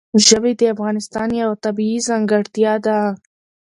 ژبې د افغانستان یوه طبیعي ځانګړتیا ده.